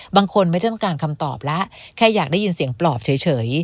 บางคนไม่ต้องการคำตอบแล้วแค่อยากได้ยินเสียงปลอบเฉย